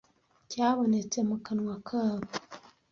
cyabonetse mu kanwa kabo